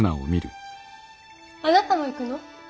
あなたも行くの？